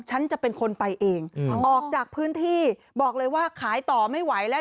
ฉันจะเป็นคนไปเองออกจากพื้นที่บอกเลยว่าขายต่อไม่ไหวแล้ว